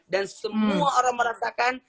dan semua orang merasakan